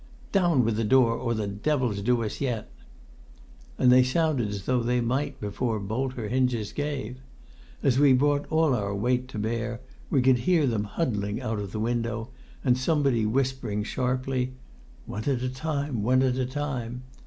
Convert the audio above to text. "Down with the door or the devils'll do us yet!" And they sounded as though they might before bolt or hinges gave. As we brought all our weight to bear, we could hear them huddling out of the window, and somebody whispering sharply, "One at a time; one at a time!"